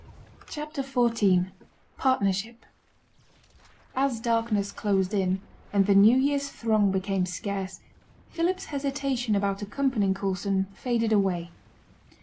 CHAPTER XIV PARTNERSHIP As darkness closed in, and the New Year's throng became scarce, Philip's hesitation about accompanying Coulson faded away.